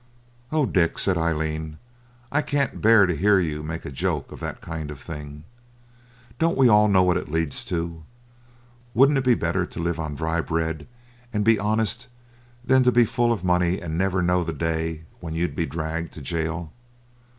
'Oh, Dick!' said Aileen, 'I can't bear to hear you make a joke of that kind of thing. Don't we all know what it leads to! Wouldn't it be better to live on dry bread and be honest than to be full of money and never know the day when you'd be dragged to gaol?'